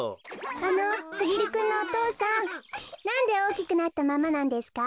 あのすぎるくんのお父さんなんでおおきくなったままなんですか？